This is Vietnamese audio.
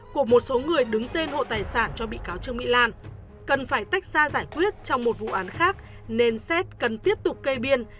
của một số người đứng tên hộ tài sản cho bị cáo trương mỹ lan cần phải tách ra giải quyết trong một vụ án khác nên xét cần tiếp tục cây biên